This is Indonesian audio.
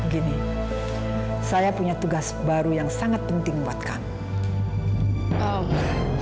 gini saya punya tugas baru yang sangat penting buat kami